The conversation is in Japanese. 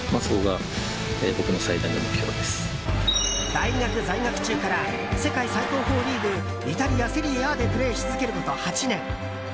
大学在学中から世界最高峰リーグイタリア・セリエＡでプレーし続けること８年。